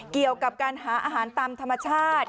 เกี่ยวกับการหาอาหารตามธรรมชาติ